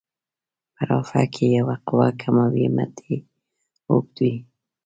په رافعه کې که یوه قوه کمه وي مټ یې اوږد وي.